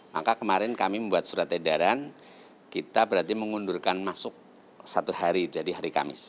maka kemarin kami membuat surat edaran kita berarti mengundurkan masuk satu hari jadi hari kamis